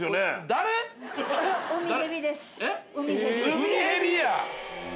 ウミヘビ。